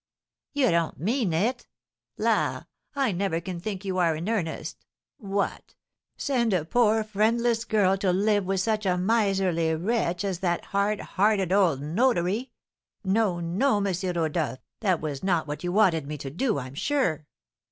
"You don't mean it? La, I never can think you are in earnest! What! Send a poor, friendless girl to live with such a miserly wretch as that hard hearted old notary? No, no, M. Rodolph, that was not what you wanted me to do, I'm sure!"